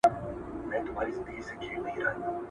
هغه هره ورځ نرخونه ګوري.